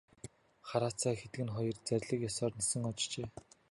Хараацай хэдгэнэ хоёр зарлиг ёсоор нисэн оджээ.